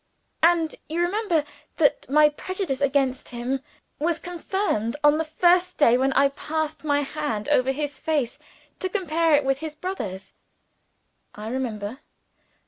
"And you remember that my prejudice against him was confirmed, on the first day when I passed my hand over his face to compare it with his brother's." "I remember."